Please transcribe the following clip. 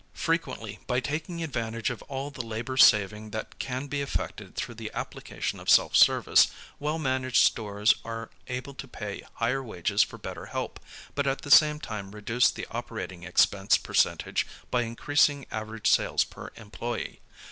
Frequently by taking advantage of all of the labor saving that can be effected through the application of self service, well managed stores are able to pay higher wages for better help, but at the same time reduce the operating expense percentage by increasing average sales per employe.